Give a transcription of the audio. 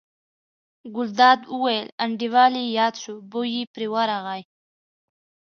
ګلداد وویل: انډیوال یې یاد شو، بوی یې پرې ورغی.